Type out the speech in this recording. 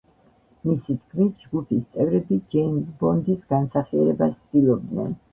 მისი თქმით, ჯგუფის წევრები ჯეიმზ ბონდის განსახიერებას ცდილობდნენ.